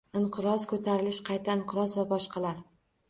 Inqiroz, ko'tarilish, qayta inqiroz va boshqalar